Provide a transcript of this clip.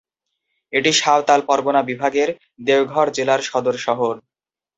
এটি সাঁওতাল পরগনা বিভাগ এর দেওঘর জেলার সদর শহর।